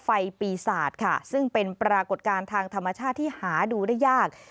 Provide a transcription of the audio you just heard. ปีศาจค่ะซึ่งเป็นปรากฏการณ์ทางธรรมชาติที่หาดูได้ยาก